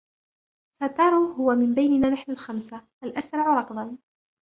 ساتارو هو -من بيننا نحن الخمسة- الأسرع ركضًا.